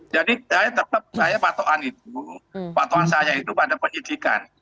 jadi saya tetap saya patoan itu patohan saya itu pada penyidikan